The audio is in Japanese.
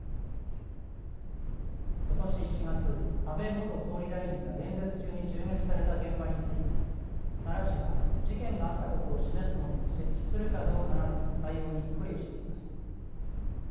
ことし７月、安倍元総理大臣が演説中に銃撃された現場について奈良市は事件があったことを示すものを設置するかどうかなど対応に苦慮しています。